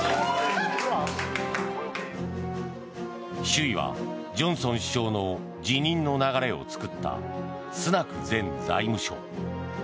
首位はジョンソン首相の辞任の流れを作ったスナク前財務相。